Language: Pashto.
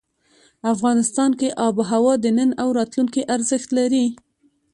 افغانستان کې آب وهوا د نن او راتلونکي ارزښت لري.